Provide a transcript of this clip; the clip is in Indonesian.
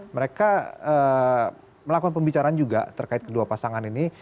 mereka melakukan pembicaraan juga terkait kedua pasangan ini